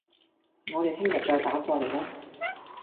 我哋聽日再打過啦